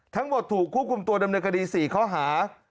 ทั้งหมดถูกควบคุมตัวดำเนื้อกดี๔ข้อหา